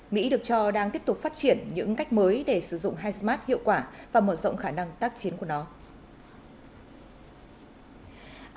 mỹ được cho đang tiếp tục phát triển những cách mới để sử dụng hamas hiệu quả và mở rộng khả năng tác chiến của nó